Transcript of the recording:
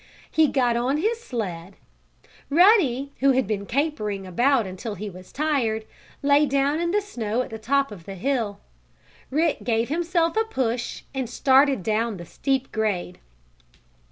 He got on his sled. Ruddy, who had been capering about until he was tired, lay down in the snow at the top of the hill. Rick gave himself a push and started down the steep grade.